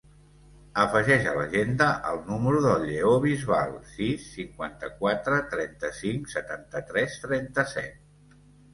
Afegeix a l'agenda el número del Lleó Bisbal: sis, cinquanta-quatre, trenta-cinc, setanta-tres, trenta-set.